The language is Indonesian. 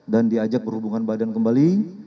dan diajak berhubungan badan kembali